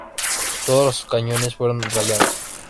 Todos los cañones fueron rayados.